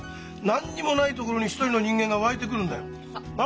何にもない所に一人の人間が湧いてくるんだよ。